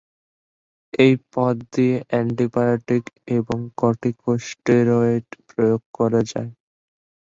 এই পথ দিয়ে অ্যান্টিবায়োটিক এবং কর্টিকোস্টেরয়েড প্রয়োগ করা যায়।